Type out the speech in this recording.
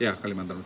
ya kalimantan utara